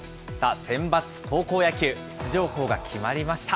センバツ高校野球、出場校が決まりました。